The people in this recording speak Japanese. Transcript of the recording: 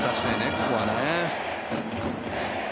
ここはね。